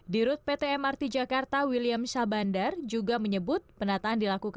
di rute pt mrt jakarta william sabandar juga menyebut penataan dilakukan